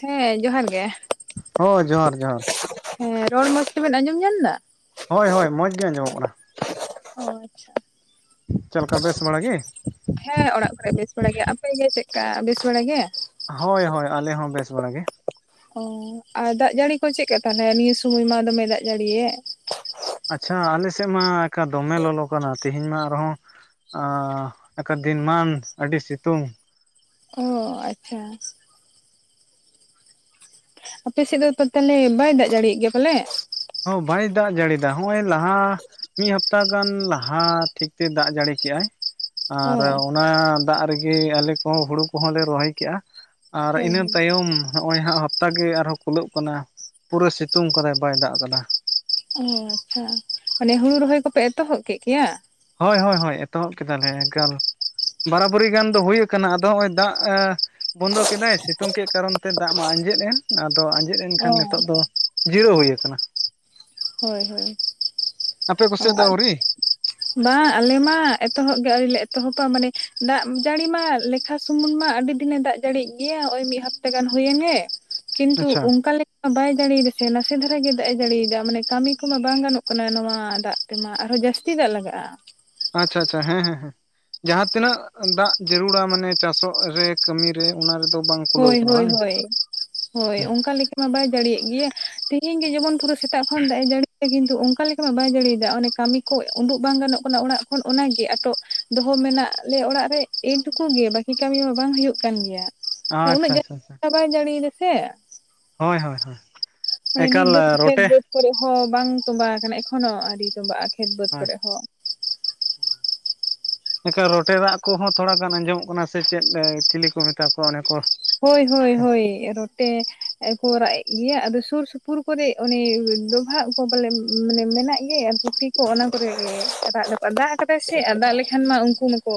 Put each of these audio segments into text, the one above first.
ᱦᱮᱸ ᱡᱚᱦᱟᱨ ᱜᱮ ᱦᱳᱭ ᱡᱚᱦᱟᱨ ᱡᱚᱦᱟᱨ ᱦᱮᱸ ᱨᱚᱲ ᱢᱚᱸᱡᱽ ᱛᱮᱵᱮᱱ ᱟᱸᱡᱚᱢ ᱧᱟᱢ ᱫᱟ ᱦᱚᱭ ᱦᱚᱭ ᱢᱚᱡᱽ ᱜᱮ ᱟᱸᱡᱚᱢᱚᱜ ᱠᱟᱱᱟ ᱚ ᱟᱪᱪᱷᱟ ᱪᱮᱜ ᱞᱮᱠᱟ ᱵᱮᱥ ᱵᱟᱲᱟ ᱜᱮ ᱦᱮᱸ ᱚᱲᱟᱜ ᱠᱚᱨᱮ ᱵᱮᱥ ᱵᱟᱲ ᱜᱮ ᱟᱯᱮ ᱜᱮ ᱪᱮᱜ ᱠᱟ ᱵᱮᱥ ᱵᱟᱲ ᱜᱮ ᱦᱳᱭ ᱦᱳᱭ ᱟᱞᱮ ᱦᱚᱸ ᱵᱮᱥ ᱵᱟᱲᱟ ᱜᱮ ᱚ ᱟᱨ ᱫᱟᱜ ᱡᱟᱹᱲᱤ ᱠᱚ ᱪᱮᱜᱠᱟ ᱛᱟᱞᱦᱮ ᱱᱤᱭᱟᱹ ᱥᱩᱢᱚᱭ ᱢᱟ ᱫᱚᱢᱮ ᱫᱟᱜ ᱡᱟᱹᱲᱤᱭᱮᱫ ᱟᱪᱪᱷᱟ ᱟᱞᱮ ᱥᱮᱫ ᱢᱟ ᱮᱠᱟ ᱫᱚᱢᱮ ᱞᱚᱞᱚ ᱠᱟᱱᱟ ᱛᱮᱦᱮᱧ ᱢᱟ ᱟᱨᱦᱚᱸ ᱟᱻᱻ ᱟᱠᱟ ᱫᱤᱱ ᱢᱟᱱ ᱟᱹᱰᱤ ᱥᱤᱛᱩᱝ ᱚ ᱟᱪᱪᱷᱟ ᱟᱯᱮ ᱥᱮᱫ ᱫᱚ ᱛᱚ ᱛᱟᱞᱮ ᱵᱟᱭ ᱫᱟᱜ ᱡᱟᱲᱤᱭᱮᱜ ᱜᱮᱭᱟ ᱯᱟᱞᱮ ᱦᱚᱸ ᱵᱟᱭ ᱫᱟᱜ ᱡᱟᱹᱲᱤ ᱫᱟ ᱦᱚᱸᱜᱼᱚᱭ ᱞᱟᱦᱟᱸ- -ᱢᱤᱫ ᱦᱟᱯᱛᱟ ᱜᱟᱱ ᱞᱟᱦᱟᱸ ᱴᱷᱤᱠ ᱛᱮ ᱫᱟᱜ ᱡᱟᱹᱲᱤ ᱠᱮᱜᱼᱟᱭ- ᱟᱨ ᱚ ᱚᱱᱟ ᱫᱟᱜ ᱨᱮᱜᱮ ᱟᱞᱮ ᱠᱚᱦᱚᱸ ᱦᱩᱲᱩ ᱠᱚᱦᱚᱸ ᱞᱮ ᱨᱚᱦᱚᱭ ᱠᱮᱜᱼᱟ, ᱟᱨ ᱦᱳᱭ ᱤᱱᱟᱹ ᱦᱳᱭ ᱛᱟᱭᱚᱢ ᱦᱚᱸᱜᱼᱚᱭ ᱦᱟᱸᱜ ᱦᱟᱯᱛᱟ ᱜᱮ ᱟᱨᱦᱚᱸ ᱠᱩᱞᱟᱹᱣᱩᱜ ᱠᱟᱱᱟ, ᱯᱩᱨᱟᱹ ᱥᱤᱛᱩᱝ ᱠᱟᱫᱟᱭ ᱵᱟᱭ ᱫᱟᱜ- -ᱠᱟᱫᱟ᱾ ᱚ ᱟᱪᱪᱷᱟ, ᱢᱟᱱᱮ ᱦᱩᱲᱩ ᱨᱚᱦᱚᱭ ᱠᱚᱯᱮ ᱮᱛᱚᱦᱚᱵ ᱠᱮᱫ ᱜᱮᱭᱟ? ᱦᱚᱭ ᱦᱚᱭ ᱦᱚᱭ, ᱮᱛᱚᱦᱚᱵ ᱠᱮᱫᱟᱞᱮ᱾ ᱮᱜᱟᱞ ᱵᱟᱨᱟᱵᱟᱨᱤ ᱜᱟᱱ ᱫᱚ ᱦᱩᱭ ᱠᱟᱱᱟ, ᱟᱫᱚ ᱦᱚᱸᱜᱼᱚᱭ ᱫᱟᱜ ᱮᱸ- ᱵᱚᱱᱫᱚ ᱠᱮᱫᱟᱭ ᱥᱤᱛᱩᱝ ᱠᱮᱫ ᱠᱟᱨᱚᱱ ᱛᱮ ᱫᱟᱜ ᱢᱟ ᱟᱸᱡᱮᱫ ᱮᱱ, ᱟᱫᱚ ᱟᱸᱡᱮᱫ- ᱚ -ᱮᱱᱠᱷᱟᱱ ᱱᱤᱛᱚᱜ ᱫᱚ ᱡᱤᱨᱟᱹᱣ ᱦᱩᱭ ᱟᱠᱟᱱᱟ, ᱦᱳᱭ ᱦᱳᱭ᱾ ᱟᱯᱮ ᱠᱚᱥᱮᱫ ᱫᱚ ᱚᱣᱨᱤ? ᱵᱟᱸᱻ ᱟᱞᱮ ᱢᱟ ᱮᱛᱚᱦᱚᱵ ᱜᱮ ᱟᱹᱣᱨᱤ ᱞᱮ ᱮᱛᱚᱦᱚᱵᱟ, ᱢᱟᱱᱮ ᱫᱟᱜ ᱡᱟᱹᱲᱤ ᱢᱟ ᱞᱮᱠᱷᱟ- -ᱥᱩᱢᱩᱝ ᱢᱟ ᱟᱹᱰᱤ ᱫᱤᱱᱮ ᱫᱟᱜ ᱡᱟᱹᱲᱤᱭᱮᱜ ᱜᱮᱭᱟ ᱳᱭ ᱢᱤᱫ ᱦᱟᱯᱛᱟ ᱜᱟᱱ ᱦᱩᱭᱮᱱᱮ [unintelligible] ᱠᱤᱱᱛᱩ ᱟᱪᱪᱷᱟ ᱚᱱᱠᱟ ᱞᱮ ᱵᱟᱭ ᱡᱟᱹᱲᱤᱭ ᱫᱮᱥᱮ ᱱᱟᱥᱮ ᱫᱷᱟᱨᱟ ᱜᱮ ᱫᱟᱜ ᱮ ᱡᱟᱹᱲᱤᱭᱫᱟ, ᱢᱟᱱᱮ ᱠᱟᱹᱢᱤ ᱠᱚᱢᱟ ᱵᱟᱝ ᱜᱟᱱᱚᱜ ᱠᱟᱱᱟ᱾ ᱱᱚᱣᱟ ᱫᱟᱜ ᱛᱮᱢᱟ ᱟᱨᱦᱚᱸ ᱡᱟᱹᱥ ᱪᱤᱫᱟᱜ ᱞᱟᱜᱟᱜᱼᱟ? ᱟᱪᱪᱷᱟ ᱟᱪᱪᱷᱟ, ᱦᱮᱸ ᱦᱮᱸ ᱦᱮᱸ᱾ ᱡᱟᱦᱟᱸ ᱛᱤᱱᱟᱹᱜ ᱫᱟᱜ ᱡᱟᱹᱨᱩᱲᱟ, ᱢᱟᱱᱮ ᱪᱟᱥᱚᱜ ᱨᱮ, ᱠᱟᱹᱢᱤ ᱨᱮ, ᱚᱱᱟ ᱨᱮᱫᱚ ᱵᱟᱝ- ᱠᱩᱞᱟᱹᱣ -ᱦᱳᱭ ᱠᱟᱱᱟ ᱦᱳᱭ ᱵᱟᱝ ᱦᱳᱭ, ᱦᱳᱭ, ᱦᱮᱸ ᱚᱱᱠᱟ ᱞᱮᱠᱟ ᱢᱟ ᱵᱟᱭ ᱡᱟᱲᱤᱭᱮᱜ ᱜᱮᱭᱟ ᱛᱤᱦᱤᱧ ᱜᱮ ᱡᱮᱢᱚᱱ ᱯᱩᱨᱟᱹ- -ᱥᱮᱛᱟᱜ ᱠᱷᱚᱱ ᱫᱟᱜ ᱮ ᱡᱟᱹᱲᱤ- -ᱠᱤᱱᱛᱩ, ᱚᱱᱠᱟ ᱞᱮᱠᱟ ᱢᱟ ᱵᱟᱭ ᱫᱟᱲᱤᱭ ᱫᱟ, ᱚᱱᱮ ᱠᱟᱹᱢᱤ ᱠᱷᱚᱡ ᱩᱰᱩᱜ ᱵᱟᱝ ᱜᱟᱱᱚᱜ ᱠᱟᱱᱟ᱾ ᱚᱲᱟᱜ ᱠᱷᱚᱱ ᱚᱱᱟ ᱜᱮ ᱟᱴᱚᱜ- -ᱫᱚᱦᱚ ᱢᱮᱱᱟᱜ ᱞᱮ ᱚᱲᱟᱜ ᱨᱮ ᱮᱹ ᱴᱩᱠᱩ ᱜᱮ, ᱵᱟᱠᱤ ᱠᱟᱹᱢᱤ ᱢᱟ ᱵᱟᱝ ᱦᱩᱭᱩᱜ ᱠᱟᱱ ᱜᱮᱭᱟ, ᱟᱸᱻ ᱩᱱᱟᱹᱜ ᱪᱷᱟ ᱪᱷᱟ ᱪᱷᱟ᱾ ᱡᱟᱹᱥᱛᱤ ᱵᱟᱭ ᱡᱟᱹᱲᱤᱭ ᱫᱟ ᱥᱮ ᱦᱚᱭ ᱦᱚᱭ ᱦᱚᱭ, ᱢᱟᱱᱮ ᱱᱤᱛ ᱫᱟᱹᱵᱤᱡ ᱛᱮ ᱠᱷᱮᱛ ᱵᱟᱹᱫᱽ ᱠᱚᱨᱮ ᱦᱚᱸ ᱵᱟᱝ ᱛᱚᱸᱵᱟ ᱟᱠᱟᱱᱟ, ᱮᱠᱷᱚᱱᱚ ᱟᱣᱨᱤ ᱛᱚᱸᱵᱟᱜᱼᱟ ᱠᱷᱮᱛ ᱵᱟᱹᱫᱽ ᱦᱳᱭ ᱠᱚᱨᱮ ᱦᱚᱸ, ᱮᱸᱠᱷᱟ ᱨᱚᱴᱮ ᱨᱟᱜ ᱠᱚᱦᱚᱸ ᱛᱷᱚᱲᱟ ᱜᱟᱱ ᱟᱸᱡᱚᱢᱚᱜ ᱠᱟᱱᱟ ᱥᱮ ᱪᱮᱫ ᱪᱤᱞᱤ ᱠᱚ ᱢᱮᱛᱟ ᱠᱚᱣᱟ? ᱚᱱᱮ ᱠᱚ- -ᱦᱳᱭ ᱦᱳᱭ ᱦᱳᱭ, ᱨᱚᱴᱮ ᱠᱚ ᱨᱟᱜ ᱮᱜ ᱜᱮᱭᱟ, ᱟᱫᱚ ᱥᱩᱨ ᱥᱩᱯᱩᱨ ᱠᱚᱨᱮ- -ᱚᱱᱤ ᱰᱚᱵᱷᱟᱜ ᱠᱚ ᱯᱟᱞᱮ [inaudible] ᱢᱟᱱᱮ ᱢᱮᱱᱟᱜ ᱜᱮ ᱟᱨ ᱫᱷᱩᱛᱤ ᱠᱚ ᱚᱱᱟ ᱠᱚᱨᱮ ᱜᱮ ᱨᱟᱜ ᱫᱟᱠᱚ [inaudible] [inaudible] ᱟ ᱫᱟᱜ ᱟᱠᱟᱫᱟᱭ ᱥᱮ ᱟ ᱫᱟᱜ ᱞᱮᱠᱷᱟᱱ ᱢᱟ ᱩᱱᱠᱩ ᱢᱟᱠᱚ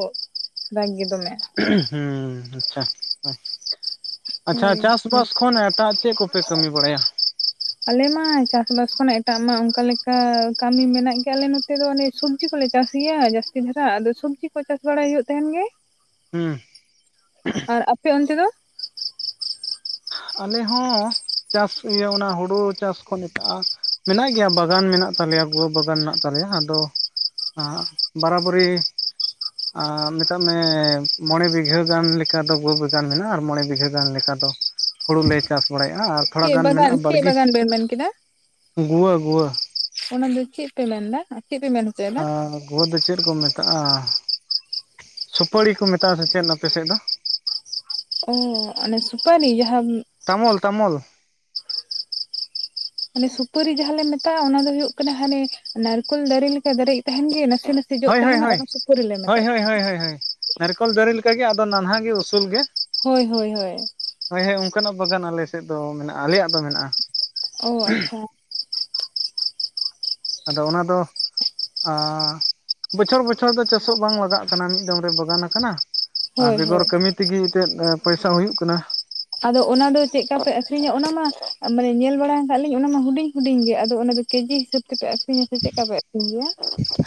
ᱫᱟᱜ ᱜᱮ ᱫᱚᱢᱮ [inaudible] ᱦᱩᱸ ᱟᱪᱪᱷᱟ ᱟᱪ ᱟᱪᱪᱷᱟ ᱦᱳᱭ ᱪᱟᱥᱵᱟᱥ ᱠᱷᱚᱱ ᱮ- -ᱴᱟᱜ ᱪᱮᱜ ᱠᱚᱯᱮ ᱠᱟᱹᱢᱤ ᱵᱟᱲᱟᱭᱟ? ᱟᱞᱮ ᱢᱟ ᱪᱟᱥᱵᱟᱥ ᱠᱷᱚᱱᱟᱜ ᱮᱴᱟᱜ ᱢᱟ ᱚᱱᱠᱟ ᱞᱮᱠᱟ ᱠᱟᱹᱢᱤ ᱢᱮᱱᱟᱜ ᱜᱮᱭᱟ, ᱟᱞᱮ ᱱᱚᱛᱮ ᱫᱚ ᱚᱱᱮ ᱼ -ᱥᱚᱵᱽᱡᱤ ᱠᱚᱞᱮ ᱪᱟᱥ ᱜᱮᱭᱟ ᱡᱟᱹᱥᱛᱤ ᱫᱷᱟᱨᱟ ᱟᱫᱚ ᱥᱚᱵᱽᱡᱤ ᱠᱚ ᱪᱟᱥ ᱵᱟᱲᱟᱭ ᱦᱩᱭᱩᱜ ᱛᱟᱦᱮᱱ ᱜᱮ ᱾ ᱦᱩᱸ, ᱟᱨ ᱟᱯᱮ ᱚᱱᱛᱮ ᱫᱚ? ᱟᱞᱮ ᱦᱚᱸᱻ ᱪᱟᱥ ᱤᱭᱟᱹ ᱚᱱᱟ ᱦᱩᱲᱩ ᱪᱟᱥ ᱠᱷᱚᱱ ᱮᱴᱟᱜ-ᱟ ᱢᱮᱱᱟᱜ ᱜᱮᱭᱟ ᱵᱟᱜᱟᱱ ᱢᱮᱱᱟᱜ ᱛᱟᱞᱮᱭᱟ, ᱜᱳ ᱵᱟᱜᱟᱱ ᱢᱮᱱᱟᱜ ᱛᱟᱞᱮᱭᱟ, ᱟᱫᱚ ᱼᱼ ᱟᱜ ᱵᱟᱨᱟᱵᱟᱨᱤ ᱟᱸ ᱢᱮᱛᱟᱜ ᱢᱮ ᱢᱚᱬᱮ ᱵᱤᱜᱷᱟᱹ ᱜᱟᱱ ᱞᱮᱠᱟ ᱫᱚ ᱜᱳ ᱵᱮᱜᱟᱱ ᱢᱮᱱᱟᱜᱼᱟ ᱟᱨ ᱢᱚᱬᱮ ᱵᱤᱜᱷᱟᱹ ᱜᱟᱱ ᱞᱮᱠᱟ ᱫᱚ- ᱦᱩᱲᱩ ᱞᱮ ᱪᱟᱥ ᱵᱟᱲᱟᱭᱮᱜ-ᱟ ᱟᱻ ᱛᱷᱚᱲᱟ ᱪᱮᱫ ᱜᱟᱱ ᱵᱟᱜᱟᱱ ᱢᱮᱱᱟᱜ-ᱟ ᱪᱮᱫ ᱵᱟᱲᱜᱮ ᱵᱟᱜᱟᱱ ᱵᱮᱱ ᱢᱮᱱ ᱠᱮᱫᱟ ᱜᱩᱣᱟᱹ ᱜᱩᱣᱟᱹ ᱾ ᱚᱱᱟ ᱫᱚ ᱪᱮᱫ ᱯᱮ ᱢᱮᱱ ᱫᱟ ᱟ ᱪᱮᱫ ᱯᱮ ᱢᱮᱱᱟ? ᱟ ᱜᱩᱣᱟ. ᱫᱚ ᱪᱮᱫ ᱠᱚ ᱢᱮ- -ᱛᱟᱜᱼᱟ, ᱥᱩᱯᱟᱹᱲᱤ ᱠᱚ ᱢᱮᱛᱟᱜ-ᱟ ᱥᱮ ᱪᱮᱱ ᱟᱯᱮ ᱥᱮᱫ ᱫᱚ? ᱚ ᱚᱱᱮ ᱥᱩᱯᱟᱞᱤ ᱡᱟᱦᱟᱸᱼᱼ ᱛᱟᱢᱚᱞ ᱛᱟᱢᱚᱞ, ᱚᱱᱮ ᱥᱩᱯᱟᱹᱨᱤ ᱡᱟᱦᱟᱸ ᱞᱮ ᱢᱮᱛᱟᱜ-ᱟ, ᱚᱱᱟ ᱫᱚ ᱦᱩᱭᱩᱜ ᱠᱟᱱᱟ, ᱦᱟᱱᱮ ᱱᱟᱨᱠᱳᱞ ᱫᱟᱨᱮ ᱞᱮᱠᱟ ᱫᱟᱨᱮ ᱛᱟᱦᱮᱱ ᱜᱮ ᱱᱟᱥᱮ ᱱᱟᱥ [inaudible] ᱦᱳᱭ ᱦᱳᱭ ᱛᱟᱦᱮᱱᱟ ᱦᱳᱭ ᱚᱱᱟ ᱥᱩᱯᱩᱨ ᱨᱮ ᱞᱮ ᱢᱮᱛᱟᱜ ᱛᱟᱦᱮᱱᱟ ᱾ [inaudible] ᱱᱟᱨᱠᱳᱞ ᱫᱟᱨᱮ ᱞᱮᱠᱟᱜᱮ, ᱟᱫᱚ ᱱᱟᱱᱦᱟ ᱜᱮ ᱩᱥᱩᱞ ᱜᱮ᱾ ᱦᱳᱭ ᱦᱳᱭ ᱦᱳᱭ᱾ ᱦᱳᱭ ᱦᱮᱸ ᱚᱱᱠᱟᱱᱟᱜ ᱵᱟᱜᱟᱱ ᱟᱞᱮ ᱥᱮᱫ ᱫᱚ ᱢᱮᱱᱟᱜ-ᱟ᱾ ᱟᱞᱮᱭᱟᱜ ᱫᱚ ᱢᱮᱱᱟᱜ-ᱟ ᱾ ᱚᱻ ᱟᱪᱪᱷᱟ ᱟᱫᱚ ᱚᱱᱟ ᱫᱚ ᱟᱻ ᱵᱚᱪᱷᱚᱨ ᱵᱚᱪᱷᱚᱨ ᱫᱚ ᱪᱟᱥᱚᱜ ᱵᱟᱝ ᱞᱟᱜᱟᱜ ᱠᱟᱱᱟ᱾ ᱢᱤᱫ ᱫᱚᱢ ᱨᱮ ᱵᱟᱜᱟᱱ ᱟᱠᱟᱱᱟ ᱾ ᱟᱻ ᱦᱳᱭ ᱦᱳᱭ ᱵᱮᱜᱚᱨ ᱠᱟᱹᱢᱤ ᱛᱮᱜᱮ ᱪᱮᱫ ᱯᱚᱭᱥᱟ ᱦᱚᱸ ᱦᱩᱭᱩᱜ ᱠᱟᱱᱟ? ᱟᱫᱚ ᱚᱱᱟ ᱫᱚ ᱪᱮᱫ ᱠᱟᱯᱮ ᱟᱠᱷᱨᱤᱧᱟ? ᱚᱱᱟ ᱢᱟ ᱢᱟᱱᱮ ᱧᱮᱞ ᱵᱟᱲᱟ ᱟᱠᱟᱫ ᱞᱤᱧ ᱚᱱᱟ ᱢᱟ ᱦᱩᱰᱤᱧ ᱦᱩᱰᱤᱧ ᱜᱮ ᱟᱫᱚ ᱚᱱᱟ ᱫᱚ ᱠᱮᱡᱤ ᱦᱤᱥᱟᱹᱵᱽ ᱾ ᱛᱮᱯᱮ ᱟᱹᱠᱷᱨᱤᱧᱟ ᱥᱮ ᱪᱮᱫ ᱠᱟ ᱯᱮ ᱟᱹᱠᱷᱨᱤᱧ ᱜᱮᱭᱟ?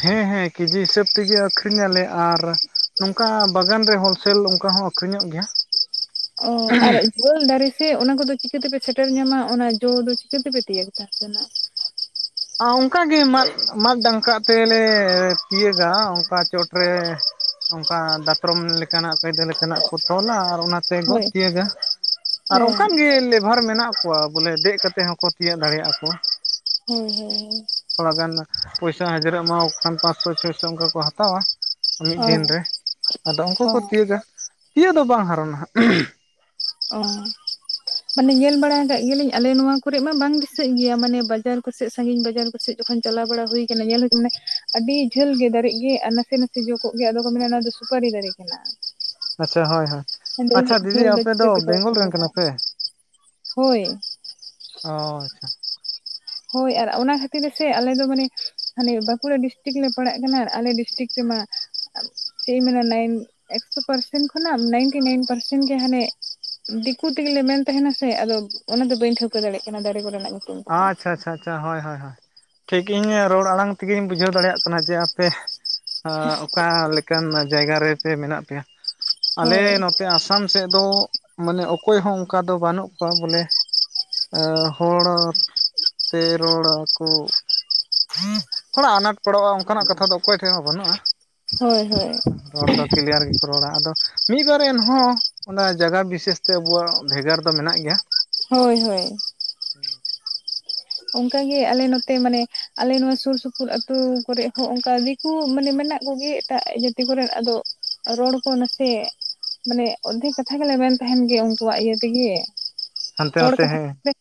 ᱦᱮᱸ ᱦᱮᱸ ᱠᱮᱡᱤ ᱦᱤᱥᱟᱹᱵ ᱛᱮᱜᱮ ᱟᱹᱠᱷᱨᱤᱧ ᱟᱞᱮ ᱟᱨ ᱼᱼ ᱱᱚᱝᱠᱟ ᱵᱟᱜᱟᱱ ᱨᱮ ᱦᱳᱞᱥᱮᱞ ᱚᱱᱠᱟ ᱦᱚᱸ ᱟᱹᱠᱷᱨᱤᱧᱚᱜ ᱜᱮᱭᱟ ᱾ ᱚᱻ ᱟᱨ ᱳᱞ ᱫᱟᱨᱮ ᱥᱮ ᱚᱱᱟ ᱠᱚᱫᱚ ᱪᱤᱠᱟᱹ ᱛᱮᱯᱮ ᱥᱮᱴᱮᱨ ᱧᱟᱢᱟ? ᱚᱱᱟ ᱡᱚ ᱫᱚ ᱪᱤᱠᱟᱹ ᱛᱮᱯᱮ ᱛᱤᱭᱩᱜ ᱥᱮᱱᱟᱜ ᱼᱼ ᱚᱱᱠᱟ ᱜᱮ ᱢᱟᱫ ᱢᱟᱫ ᱰᱟᱝ ᱠᱟᱛᱮ ᱞᱮ ᱛᱤᱭᱟᱹᱜᱟ᱾ ᱚᱱᱠᱟ ᱪᱚᱴᱨᱮ ᱼᱼ ᱚᱱᱠᱟ ᱫᱟᱛᱨᱚᱢ ᱞᱮᱠᱟᱱᱟᱜ ᱠᱟᱹᱭᱫᱟᱹ ᱞᱮᱠᱟᱱᱟᱜ ᱠᱚ ᱛᱚᱞᱟ ᱟᱨ ᱚᱱᱟ ᱼᱼ ᱜᱚᱫ ᱦᱳᱭ ᱛᱤᱭᱟᱹᱜ ᱜᱟ ᱚ ᱟᱨ ᱚᱱᱠᱟᱱ ᱜᱮ ᱞᱮᱵᱷᱟᱨ ᱢᱮᱱᱟᱜ ᱠᱚᱣᱟ ᱾ ᱠᱚᱣᱟ ᱵᱚᱞᱮ ᱫᱮᱡᱽ ᱠᱟᱛᱮ ᱦᱚᱸᱠᱚ ᱛᱤᱭᱳᱜ ᱫᱟᱲᱮᱭᱟᱜ-ᱟ ᱠᱚ ᱾ ᱦᱳᱭ ᱦᱳᱭ ᱦᱳᱭ ᱛᱷᱚᱲᱟ ᱜᱟᱱ ᱯᱚᱭᱥᱟ ᱦᱟᱡᱨᱤ ᱮᱢᱟ ᱠᱚ ᱠᱷᱟᱱ ᱯᱟᱸᱪᱻᱥᱚ ᱪᱷᱚᱭᱻᱥᱚ ᱚᱱᱠᱟ ᱠᱚ ᱦᱟᱛᱟᱣᱟ ᱾ ᱢᱤᱫ ᱚ ᱫᱤᱱ ᱨᱮ ᱟᱫᱚ ᱩᱱᱠᱩ ᱠᱚ ᱚ ᱛᱤᱭᱩᱜᱟ, ᱛᱤᱭᱳᱜ ᱫᱚ ᱵᱟᱝ ᱦᱟᱨᱚᱸ ᱱᱟᱜ ᱼᱼ ᱚᱻ ᱢᱟᱱᱮ ᱧᱮᱞ ᱵᱟᱲᱟ ᱠᱟᱜ ᱜᱮᱭᱟᱞᱤᱧ ᱟᱞᱮ ᱱᱚᱣᱟ ᱠᱚᱨᱮ ᱢᱟ ᱵᱟᱝ ᱫᱤᱥᱟᱹᱜ ᱜᱮᱭᱟ᱾ ᱢᱟᱱᱮ ᱵᱟᱡᱟᱨ ᱠᱚᱥᱮᱫ ᱥᱟᱺᱜᱤᱧ ᱵᱟᱡᱟᱨ ᱠᱚᱥᱮᱫ ᱼᱼ ᱡᱚᱠᱷᱚᱱ ᱪᱟᱞᱟᱣ ᱵᱟᱲᱟ ᱦᱩᱭ ᱠᱟᱱᱟ ᱧᱮᱞ ᱢᱟᱱᱮ ᱟᱹᱰᱤ ᱡᱷᱟᱹᱞ ᱜᱮ ᱫᱟᱨᱮᱜ ᱜᱮ ᱟᱨ ᱱᱟᱥᱮ ᱱᱟᱥᱮ ᱡᱚ ᱠᱚᱜ ᱜᱮ ᱟᱫᱚ ᱠᱚ ᱢᱮᱱᱟ ᱼᱼ ᱥᱩᱯᱟᱨᱤ ᱫᱟᱨᱤ ᱠᱮᱱᱟ ᱾ ᱟᱪᱪᱷᱟ ᱦᱳᱭ ᱦᱳᱭ ᱟᱪᱪᱷᱟ ᱫᱤᱫᱤ ᱡᱷᱟᱹᱞ ᱟᱯᱮ ᱼᱼ ᱟᱯᱮ ᱪᱤᱠᱟᱹ ᱫᱚ ᱛᱮᱠᱚ ᱵᱮᱝᱜᱚᱞ ᱨᱮᱱ ᱥᱮᱴᱮᱨᱟ ᱠᱟᱱᱟ ᱯᱮ? ᱦᱳᱭ ᱚ ᱟᱪᱪᱷᱟ, ᱦᱳᱭ ᱟᱨ ᱚᱱᱟ ᱠᱷᱟᱹᱛᱤᱨ ᱜᱮᱥᱮ ᱟᱞᱮ ᱫᱚ ᱢᱟᱱᱮ ᱦᱟᱱᱮ ᱵᱟᱸᱠᱩᱲᱟ ᱰᱤᱥᱴᱤᱠ ᱞᱮ ᱯᱟᱲᱟᱜ ᱠᱟᱱᱟ ᱟᱞᱮ ᱰᱤᱥᱴᱤᱠ ᱨᱮᱢᱟ ᱼᱼ ᱪᱮᱫ ᱤᱧ ᱢᱮᱱᱟ ᱱᱟᱭᱤᱱ ᱮᱠᱥᱳ ᱯᱟᱨᱥᱮᱱ ᱠᱷᱚᱱᱟᱜ ᱱᱟᱭᱤᱱᱴᱤ ᱱᱟᱭᱤᱱ ᱯᱟᱨᱥᱮᱱ ᱜᱮ ᱦᱟᱱᱮ ᱼᱼ ᱫᱤᱠᱩ ᱛᱮ ᱜᱮᱞᱮ ᱢᱮᱱ ᱛᱟᱦᱮᱱᱟ ᱥᱮ ᱟᱫᱚ ᱚᱱᱟ ᱫᱚ ᱵᱟᱹᱧ ᱴᱷᱟᱹᱣᱠᱟᱹ ᱫᱟᱲᱮᱭᱟᱜ ᱠᱟᱱᱟ ᱫᱟᱨᱮ ᱠᱚ ᱨᱮᱱᱟᱜ ᱟᱻᱪᱷᱟ ᱟᱪᱪᱷᱟ ᱦᱳᱭ ᱦᱳᱭ ᱦᱳᱭ ᱴᱷᱤᱠ ᱤᱧ ᱨᱚᱲ ᱟᱲᱟᱝ ᱛᱮᱜᱮᱧ ᱵᱩᱡᱷᱟᱹᱣ ᱫᱟᱲᱮᱭᱟᱜ ᱠᱟᱱᱟ ᱡᱮ ᱟᱯᱮ ᱼᱼ ᱚᱠᱟ ᱞᱮᱠᱟᱱ ᱡᱟᱭᱜᱟ ᱨᱮᱯᱮ ᱢᱮᱱᱟᱜ ᱯᱮᱭᱟ᱾ ᱟᱞᱮ ᱦᱳᱭ ᱱᱚᱛᱮ ᱟᱥ ᱼᱼ ᱟᱥᱟᱢ ᱥᱮᱫ ᱫᱚ ᱢᱟᱱᱮ ᱚᱠᱚᱭ ᱦᱚᱸ ᱚᱱᱠᱟ ᱫᱚ ᱵᱟᱹᱱᱩᱜ ᱠᱚᱣᱟ ᱵᱚᱞᱮ ᱾ ᱦᱚᱲ ᱛᱮ ᱨᱚᱲᱟᱻᱠᱩ [inaudible] ᱛᱷᱚᱲᱟ ᱟᱱᱟᱴ ᱯᱟᱲᱚᱜᱼᱟ, ᱚᱱᱠᱟᱱᱟᱜ ᱠᱟᱛᱷᱟ ᱫᱚ ᱚᱠᱚᱭ ᱴᱷᱮᱱ ᱦᱚᱸ ᱵᱟᱹᱱᱩᱜᱼᱟ᱾ ᱦᱳᱭ ᱦᱳᱭ ᱨᱚᱲ ᱫᱚ ᱠᱤᱞᱤᱭᱟᱨ ᱜᱮ ᱾ ᱨᱚᱲᱟ ᱟᱫᱚ ᱢᱤᱫ ᱵᱟᱨ ᱮᱱᱦᱚᱸ ᱚᱱᱟ ᱡᱟᱭᱟ ᱵᱤᱥᱮᱥᱛᱮ ᱟᱵᱚᱣᱟᱜ ᱵᱷᱮᱜᱟᱨ ᱫᱚ ᱢᱮᱱᱟᱜ ᱜᱮᱭᱟ᱾ ᱦᱳᱭ ᱦᱳᱭ ᱾ ᱚᱱᱠᱟ ᱜᱮ ᱟᱞᱮ ᱱᱚᱛᱮ ᱢᱟᱱᱮ ᱟᱞᱮ ᱱᱚᱣᱟ ᱥᱩᱨ ᱥᱩᱯᱩᱨ ᱟᱹᱛᱩ ᱠᱚᱨᱮ ᱦᱚᱸ ᱚᱱᱠᱟ ᱾ ᱠᱩ ᱢᱟᱱᱮ ᱢᱮᱱᱟᱜ ᱠᱚᱜᱮ ᱮᱴᱟᱜ ᱡᱟᱹᱛᱤ ᱠᱚᱨᱮᱱ ᱟᱫᱚ ᱨᱚᱲ ᱠᱚ ᱱᱟᱥᱮ᱾ ᱢᱟᱱᱮ ᱚᱫᱷᱮᱠ ᱠᱟᱛᱷᱟ ᱜᱮᱞᱮ ᱢᱮᱱᱮᱱ ᱛᱟᱦᱮᱱ ᱜᱮ ᱩᱱᱠᱩᱣᱟᱜ ᱤᱭᱟᱹ ᱛᱮᱜᱮ᱾ ᱦᱟᱱᱛᱮ ᱦᱚᱲ ᱱᱟᱛᱮ ᱦᱮᱸ ᱠᱟᱛᱷᱟ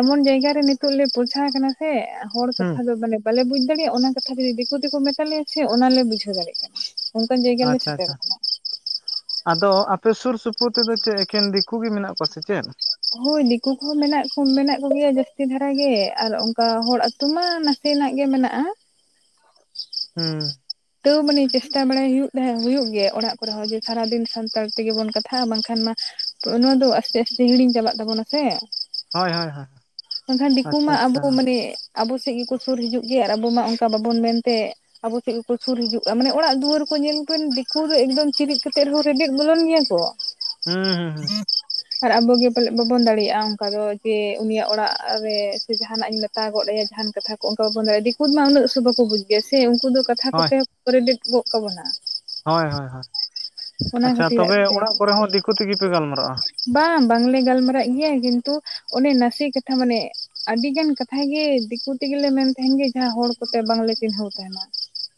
ᱮᱢᱚᱱ ᱡᱟᱭᱜᱟ ᱨᱮ ᱱᱤᱛᱳᱜ ᱞᱮ ᱯᱳᱪᱷᱟᱣ ᱠᱟᱱᱟ ᱥᱮ ᱦᱚᱲ ᱦᱩᱸ ᱠᱟᱛᱷᱟ ᱫᱚ ᱢᱟᱱᱮ ᱾ ᱵᱟᱞᱮ ᱵᱩᱡ ᱫᱟᱲᱮᱭᱟᱜᱼᱟ᱾ ᱚᱱᱟ ᱠᱟᱛᱷᱟ ᱡᱩᱫᱤ ᱫᱤᱠᱩ ᱛᱮᱠᱚ ᱢᱮᱛᱟ ᱞᱮᱭᱟ ᱥᱮ ᱚᱱᱟᱞᱮ ᱵᱩᱡᱷᱟᱹᱣ ᱫᱟᱲᱮᱭᱟᱜ ᱠᱟᱱᱟ ᱾ ᱚᱱᱠᱟᱱ ᱡᱟᱭᱜᱟ ᱨᱮᱞᱮ ᱟᱪᱪᱷᱟ ᱟᱪᱪᱷᱟ ᱥᱮᱴᱮᱨᱚᱜ ᱟᱠᱟᱱᱟ ᱾ ᱟᱫᱚ ᱟᱯᱮ ᱥᱩᱨ ᱥᱩᱯᱩᱨ ᱛᱮᱫᱚ ᱪᱮᱫ ᱮᱠᱮᱱ ᱫᱤᱠᱩ ᱜᱮ ᱢᱮᱱᱟᱜ ᱠᱚᱣᱟ ᱥᱮ ᱪᱮᱫ ᱾ ᱦᱳᱭ ᱫᱤᱠᱩ ᱠᱚᱦᱚᱸ ᱢᱮᱱᱟᱜ ᱠᱚ ᱢᱮᱱᱟᱜ ᱠᱚᱜᱮᱭᱟ᱾ ᱡᱟᱹᱥᱛᱤ ᱫᱷᱟᱨᱟ ᱜᱮ ᱟᱨ ᱚᱱᱠᱟ ᱦᱚᱲ ᱾ ᱛᱚ ᱢᱟᱜ ᱱᱟᱥᱮᱱᱟᱜ ᱜᱮ ᱢᱮᱱᱟᱜᱼᱟ ᱾ ᱦᱩᱸ ᱾ ᱛᱟᱹᱣ ᱢᱟᱱᱮ ᱪᱮᱥᱴᱟ ᱵᱟᱲᱟᱭ ᱦᱩᱭᱩᱜ ᱛᱟᱦᱮᱸ ᱦᱩᱭᱩᱜ ᱜᱮᱭᱟ᱾ ᱚᱲᱟᱜ ᱠᱚᱨᱮ ᱦᱚᱸ ᱡᱮ ᱥᱟᱨᱟᱫᱤᱱ ᱥᱟᱱᱛᱟᱲ ᱛᱮᱜᱮ ᱵᱚᱱ ᱠᱟᱛᱷᱟᱜᱼᱟ, ᱵᱟᱝᱠᱷᱟᱱ ᱢᱟ ᱾ ᱛᱚ ᱱᱚᱣᱟ ᱫᱚ ᱟᱥᱛᱮ ᱟᱥᱛᱮ ᱦᱤᱲᱤᱧ ᱪᱟᱞᱟᱜ ᱛᱟᱵᱚᱱᱟ ᱥᱮ ᱦᱳᱭ ᱦᱳᱭ ᱦᱳᱭ ᱾ ᱵᱟᱝᱠᱷᱟᱱ ᱫᱤᱠᱩ ᱟᱪᱪᱷᱟ ᱢᱟ ᱟᱵᱚ ᱟᱪᱪᱷᱟ ᱢᱟᱱᱮ ᱾ ᱟᱵᱚ ᱥᱮᱫ ᱜᱮᱠᱚ ᱥᱩᱨ ᱦᱤᱡᱩᱜ ᱜᱮᱭᱟ ᱟᱨ ᱟᱵᱚ ᱢᱟ ᱚᱱᱠᱟ ᱵᱟᱵᱚᱱ ᱢᱮᱱᱛᱮ ᱾ ᱟᱵᱚ ᱪᱮᱫ ᱠᱚᱠᱚ ᱥᱩᱨ ᱦᱤᱡᱩᱜᱼᱟ ᱢᱟᱱᱮ ᱚᱲᱟᱜ ᱫᱩᱣᱟᱹᱨ ᱠᱚ ᱧᱮᱞ ᱠᱚ ᱫᱤᱠᱩ ᱫᱚ ᱮᱠᱫᱚᱢ ᱪᱤᱨᱤᱡ ᱠᱟᱛᱮᱫ ᱦᱚᱸ ᱨᱮᱵᱮᱫ ᱵᱚᱞᱚᱱ ᱜᱮᱭᱟ ᱠᱚ ᱦᱩᱸ ᱦᱩᱸ ᱦᱩᱸ ᱾ ᱟᱨ ᱟᱵᱚᱜᱤ ᱯᱟᱞᱮᱫ ᱵᱟᱵᱚᱱ ᱫᱟᱲᱮᱭᱟᱜᱼᱟ ᱚᱱᱠᱟ ᱫᱚ ᱡᱮ ᱩᱱᱤᱭᱟᱜ ᱚᱲᱟᱜ ᱨᱮ ᱥᱮ ᱡᱟᱦᱟᱱᱟᱜ ᱤᱧ ᱢᱮᱛ ᱜᱚᱫ ᱟᱭᱟ ᱡᱟᱦᱟᱱ ᱠᱟᱛᱷᱟ ᱚᱱᱠᱟ ᱵᱟ ᱵᱚᱱ ᱫᱟᱲᱮᱭᱟᱜ ᱫᱤᱠᱩ ᱢᱟ ᱩᱱᱟᱹᱜ ᱥᱩᱫᱩ ᱠᱚ ᱵᱩᱡ ᱜᱮᱭᱟ ᱥᱮ ᱩᱱᱠᱩ ᱫᱚ ᱠᱟᱛᱷᱟ ᱦᱳᱭ ᱠᱚᱛᱮ ᱠᱚᱨᱮᱰᱮᱮᱫ ᱜᱚᱫ ᱠᱟᱵᱚᱱᱟ ᱾ ᱦᱳᱭ ᱦᱳᱭ ᱦᱳᱭ ᱟᱪᱪᱷᱟ ᱠᱷᱟᱹᱛᱤᱨᱟᱜ ᱛᱚᱵᱮ ᱛᱮ ᱚᱲᱟᱜ ᱠᱚᱨᱮ ᱦᱚᱸ ᱫᱤᱠᱩ ᱛᱮᱜᱮ ᱯᱮ ᱜᱟᱞᱢᱟᱨᱟᱜᱼᱟ ᱾ ᱵᱟᱝ ᱵᱟ ᱞᱮ ᱜᱟᱞᱢᱟᱨᱟᱜ ᱜᱮᱭᱟ ᱠᱤᱱᱛᱩ ᱚᱱᱮ ᱱᱟᱥᱮ ᱠᱟᱛᱷᱟ ᱢᱟᱱᱮ ᱟᱹᱰᱤ ᱜᱟᱱ ᱠᱟᱛᱷᱮ ᱫᱤᱠᱩ ᱛᱮ ᱜᱮᱞᱮ ᱢᱮᱱ ᱛᱟᱦᱮᱱ ᱜᱮ ᱡᱟᱦᱟᱸ ᱦᱚᱲ ᱠᱚᱛᱮ ᱵᱟᱝᱞᱮ ᱪᱤᱱᱦᱟᱹᱣ ᱛᱟᱦᱮᱱᱟ